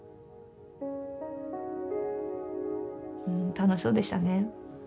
楽しそうでしたね。